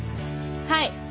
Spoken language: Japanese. はい。